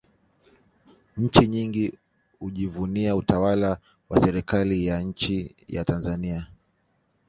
nchi nyingi hujivunia utawala wa serikali ya nchi ya tanzania